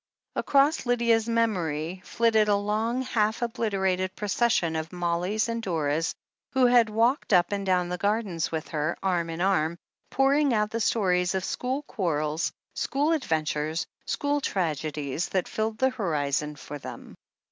Across Lydia's memory flittered a long, half obliterated procession of Mollies and Doras who had walked up and down the garden with her, arm in arm, pouring out the stories of school quarrels, school adventures, school tragedies, that filled the horizon for them.